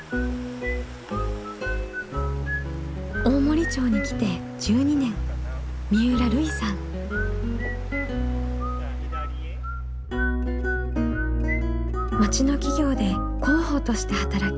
大森町に来て１２年町の企業で広報として働き